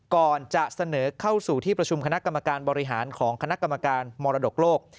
ก่อนจะเสนอเข้าสู่ที่ประชุมคณะกรรมการบริหารของคณะกรรมการมรดกโลก